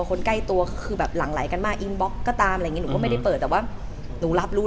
กันมาแล้วก็ตามอะไรยังงี้หนูก็ไม่ได้เปิดแต่ว่าหนูรับรู้